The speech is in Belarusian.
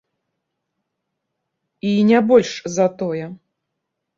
І не больш за тое.